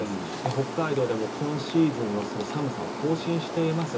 北海道でも今シーズンの寒さを更新しています。